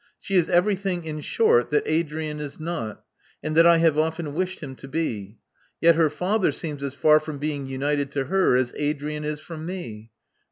She is everything, in short, that Adrian is not, and that I have often wished him to be. Yet her father seems as far from being united to her as Adrian is from me.